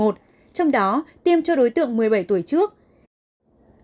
trong đó tiêm cho đối tượng một mươi bảy tuổi trước